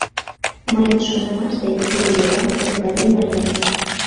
— Мыйын шонымаште, тиде Лебак, господин майор.